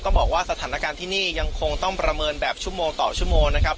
บอกว่าสถานการณ์ที่นี่ยังคงต้องประเมินแบบชั่วโมงต่อชั่วโมงนะครับ